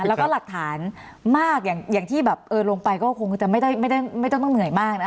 แล้วก็หลักฐานมากอย่างที่แบบลงไปก็คงจะไม่ต้องเหนื่อยมากนะ